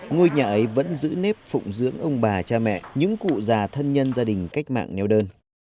ngôi nhà ấy vẫn giữ nếp phụng dưỡng ông bà cha mẹ những cụ già thân nhân gia đình cách mạng neo đơn